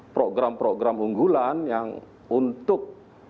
program program unggulan yang untuk